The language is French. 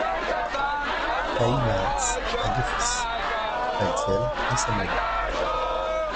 Ahimaatz a deux fils, Paltiel et Samuel.